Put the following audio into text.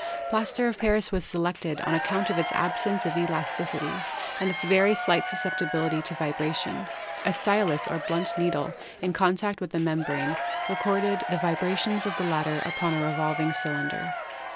Plaster of Paris was selected on ac count of* its absence of elasticity and its very slight sus ceptibility tc vibration. A stylus or blunt needle in con tact with the membrane recorded the vibrations of the latter upon a revolving cylinder.